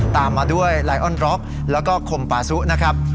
ตามมาด้วยไลออนร็อกแล้วก็คมปาซุนะครับ